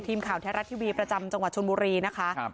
ทีมข่าวแท้รัฐทีวีประจำจังหวัดชนบุรีนะคะ